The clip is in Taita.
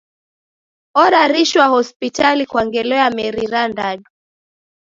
Orarishwa hospitali kwa ngelo ya meri irandadu.